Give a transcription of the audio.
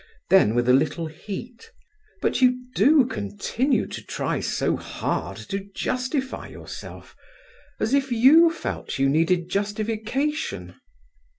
Then, with a little heat: "But you do continue to try so hard to justify yourself, as if you felt you needed justification."